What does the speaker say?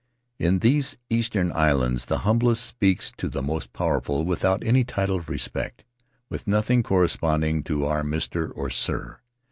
In these eastern islands the humblest speaks to the most powerful without any title of respect, with nothing corresponding to our " mister ,: or "sir."